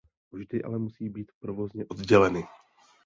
Vždy ale musí být provozně odděleny.